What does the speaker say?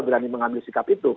berani mengambil sikap itu